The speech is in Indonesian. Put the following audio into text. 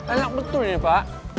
enak betul ini pak